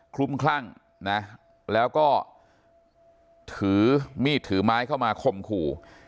ลุ้มคลั่งนะแล้วก็ถือมีดถือไม้เข้ามาคมขู่